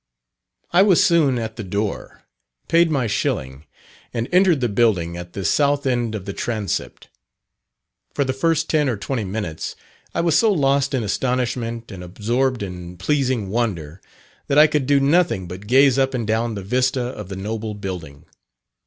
I was soon at the door, paid my shilling, and entered the building at the south end of the Transept. For the first ten or twenty minutes I was so lost in astonishment, and absorbed in pleasing wonder, that I could do nothing but gaze up and down the vista of the noble building.